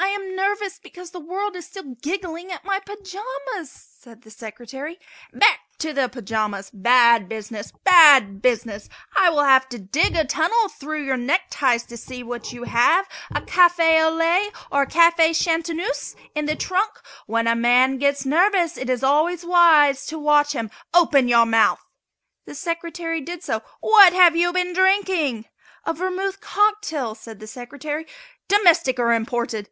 "I am nervous because the world is still giggling at my pajamas," said the Secretary. "Back to the pajamas! Bad business! bad business! I will have to dig a tunnel through your neckties to see if you have a cafe au lait or a cafe chanteuse in the trunk. When a man gets nervous it is always wise to watch him. Open your mouth!" The Secretary did so. "What have you been drinking?" "A vermouth cocktail," said the Secretary. "Domestic or imported?"